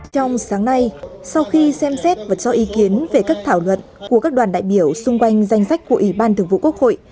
trong sáng nay sau khi xem xét và cho ý kiến về các thảo luận của các đoàn đại biểu xung quanh danh sách của ủy ban thường vụ quốc hội